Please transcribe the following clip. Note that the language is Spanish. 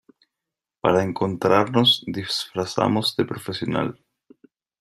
para encontrarnos, disfrazamos de profesional